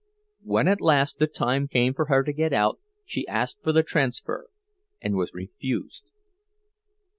When at last the time came for her to get out, she asked for the transfer, and was refused.